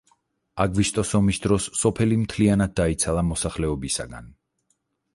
აგვისტოს ომის დროს სოფელი მთლიანად დაიცალა მოსახლეობისაგან.